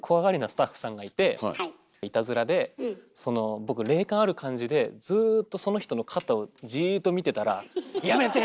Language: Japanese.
スタッフさんがいていたずらで僕霊感ある感じでずっとその人の肩をじーっと見てたら「やめて！」